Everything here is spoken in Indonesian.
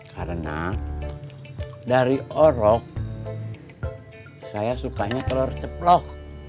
karena dari orok saya sukanya telur ceplok